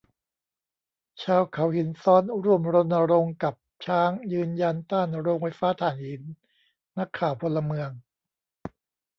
ชาวเขาหินซ้อนร่วมรณรงค์กับช้าง ยืนยันต้านโรงไฟฟ้าถ่านหิน นักข่าวพลเมือง